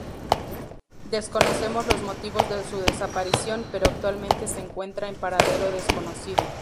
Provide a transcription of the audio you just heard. Desconocemos los motivos de su desaparición, pero actualmente se encuentra en paradero desconocido.